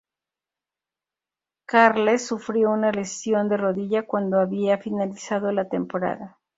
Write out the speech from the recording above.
Carles sufrió una lesión de rodilla cuando había finalizado la temporada.